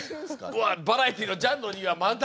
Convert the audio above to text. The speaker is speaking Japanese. バラエティーのジャンルにはまだ！